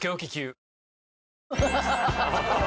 アハハハ。